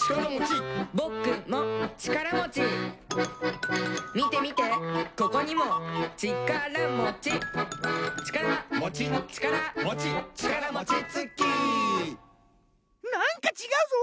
「ぼくもちからもち」「みてみてここにもちからもち」「ちから」「もち」「ちから」「もち」「ちからもちつき」なんかちがうぞ！